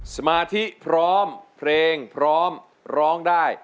สมาธิพร้อมเพลงพร้อมร้องได้